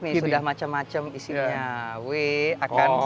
banyak nih sudah macam macam isinya